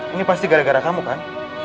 ini pasti gara gara kamu kan